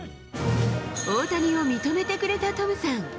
大谷を認めてくれたトムさん。